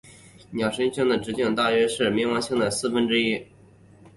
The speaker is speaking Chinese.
鸟神星的直径大约是冥王星的四分之三。